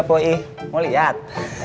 poi mau lihat